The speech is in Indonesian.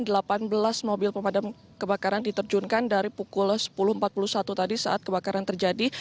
dan delapan belas mobil pemadam kebakaran diterjunkan dari pukul sepuluh empat puluh satu tadi saat kebakaran terjadi